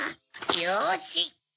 よし！